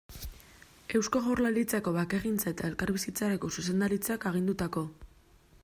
Eusko Jaurlaritzako Bakegintza eta Elkarbizitzarako Zuzendaritzak agindutako.